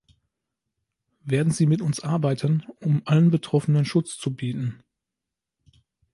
Werden Sie mit uns arbeiten, um allen Betroffenen Schutz zu bieten?